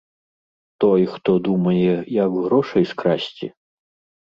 Той, хто думае, як грошай скрасці?